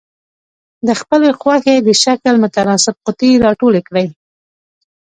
د خپلې خوښې د شکل متناسب قطي را ټولې کړئ.